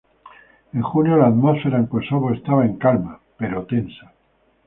En junio, la atmósfera en Kosovo estaba en calma, pero tensa.